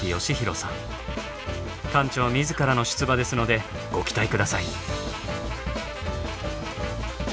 館長自らの出馬ですのでご期待下さい。